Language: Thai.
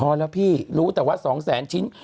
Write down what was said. พอแล้วพี่รู้แต่ว่า๒แสนชิ้น